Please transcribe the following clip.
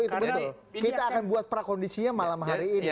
kita akan buat prakondisinya malam hari ini